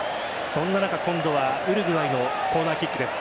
そんな中、今度はウルグアイのコーナーキックです。